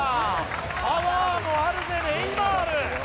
パワーもあるネイマール。